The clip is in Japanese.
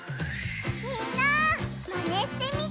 みんなマネしてみてね！